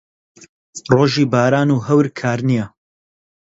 ڕۆژی باران و هەور کار نییە.